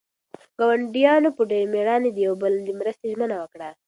ګاونډیانو په ډېرې مېړانې د یو بل د مرستې ژمنه وکړه.